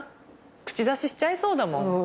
口出ししちゃいそうだもん。